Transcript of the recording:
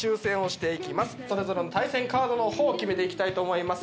それぞれの対戦カードの方を決めていきたいと思います。